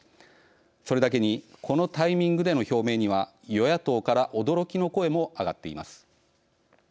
それだけにこのタイミングでの表明には与野党から驚きの声も上がっています。